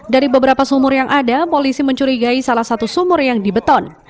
dari beberapa sumur yang ada polisi mencurigai salah satu sumur yang dibeton